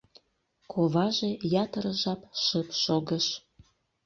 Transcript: Коваже ятыр жап шып шогыш.